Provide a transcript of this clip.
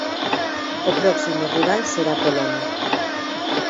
O próximo rival será Polonia.